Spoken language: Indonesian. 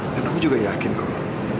dan aku juga yakin kamu